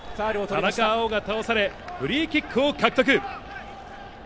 田中碧が倒されフリーキックを獲得。